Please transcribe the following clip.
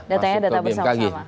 datanya data bersama sama